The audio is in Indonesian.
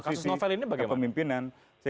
kalau kasus novel ini bagaimana